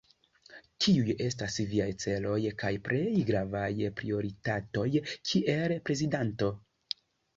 Kiuj estas viaj celoj kaj plej gravaj prioritatoj kiel prezidanto?